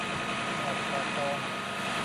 หาดป่าตอง